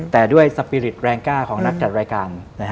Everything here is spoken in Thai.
แต่ด้วยสปีริตแรงกล้าของนักจัดรายการ